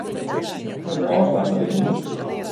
Hokker ôfslach moat ik nimme?